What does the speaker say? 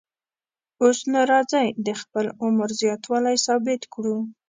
اوس نو راځئ د خپل عمر زیاتوالی ثابت کړو.